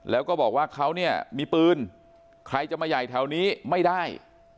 แล้วก็บอกว่าเขาเนี่ยมีปืนใครจะมาใหญ่แถวนี้ไม่ได้